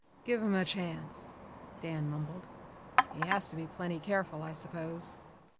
"Give him a chance," Dan mumbled. "He has to be plenty careful, I suppose."